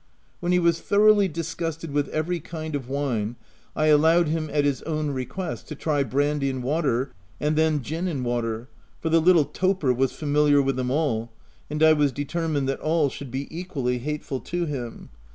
Whea he was thoroughly disgusted with every kind of wine, I allowed him, at his own request, to try brandy and water and then gin and water ; for the little toper was familiar with them all, and I was determined that all should be equally hateful to him.